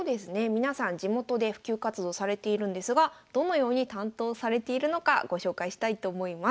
皆さん地元で普及活動されているんですがどのように担当されているのかご紹介したいと思います。